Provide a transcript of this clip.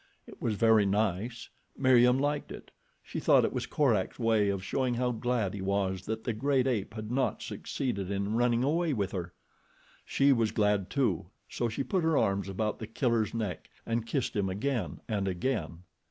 It was very nice. Meriem liked it. She thought it was Korak's way of showing how glad he was that the great ape had not succeeded in running away with her. She was glad too, so she put her arms about The Killer's neck and kissed him again and again.